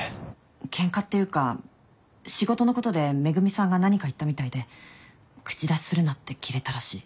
ケンカっていうか仕事のことで恵美さんが何か言ったみたいで口出しするなってキレたらしい。